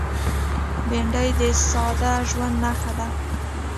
بېنډۍ د ساده ژوند نښه ده